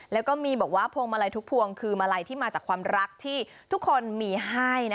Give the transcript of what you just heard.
และก็มีแบบว่ามิล็ามาลัยทุกพวงมาลัยที่มาจากความรักที่ทุกคนมีให้นะคะ